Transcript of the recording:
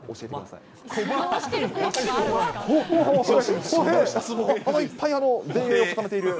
いっぱい前衛を固めている。